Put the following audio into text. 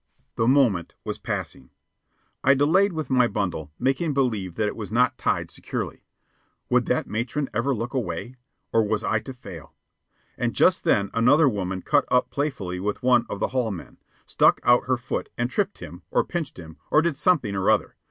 The moment was passing. I delayed with my bundle, making believe that it was not tied securely. Would that matron ever look away? Or was I to fail? And just then another woman cut up playfully with one of the hall men stuck out her foot and tripped him, or pinched him, or did something or other.